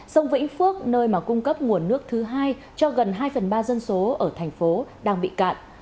sông vĩnh phước nơi mà cung cấp nguồn nước thứ hai cho gần hai phần ba dân số ở thành phố đang bị cạn